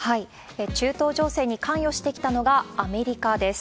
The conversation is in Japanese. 中東情勢に関与してきたのがアメリカです。